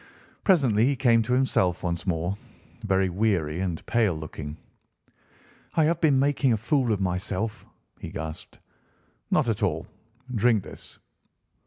Presently he came to himself once more, very weary and pale looking. "I have been making a fool of myself," he gasped. "Not at all. Drink this."